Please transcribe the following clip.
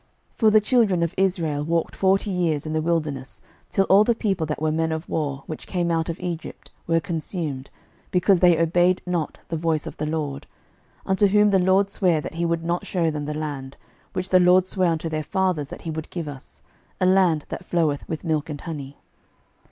06:005:006 For the children of Israel walked forty years in the wilderness, till all the people that were men of war, which came out of Egypt, were consumed, because they obeyed not the voice of the LORD: unto whom the LORD sware that he would not shew them the land, which the LORD sware unto their fathers that he would give us, a land that floweth with milk and honey.